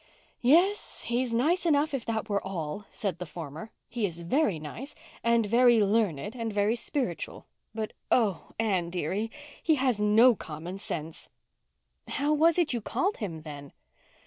"Yes, he's nice enough if that were all," said the former. "He is very nice—and very learned—and very spiritual. But, oh Anne dearie, he has no common sense! "How was it you called him, then?"